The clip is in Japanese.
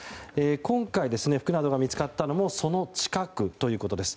今回、服などが見つかったのもその近くということです。